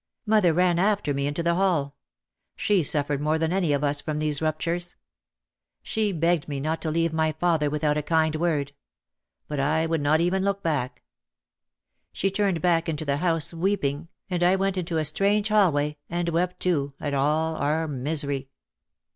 Mother ran after me into the hall. She suffered more than any of us from these ruptures. She begged me not to leave my father without a kind word. But I would not even look back. She turned back into the house weeping and I went into a strange hallway and wept too at all our misery.